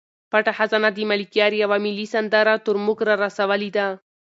پټه خزانه د ملکیار یوه ملي سندره تر موږ را رسولې ده.